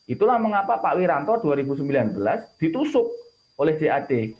itulah mengapa pak wiranto dua ribu sembilan belas ditusuk oleh jad